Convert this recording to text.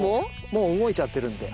もう動いちゃってるんで。